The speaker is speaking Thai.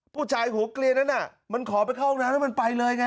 ผู้ชายหัวเกลียนนั้นมันขอไปเข้าห้องน้ำแล้วมันไปเลยไง